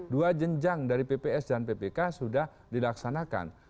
dua jenjang dari pps dan ppk sudah dilaksanakan